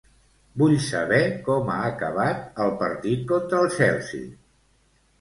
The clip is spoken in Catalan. Vull saber com ha acabat el partit contra el Chelsea.